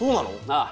ああ。